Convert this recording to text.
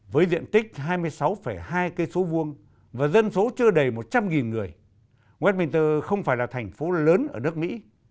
với diện tích hai mươi sáu hai km vuông và dân số chưa đầy một trăm linh người westminster không phải là thành phố lớn ở nước mỹ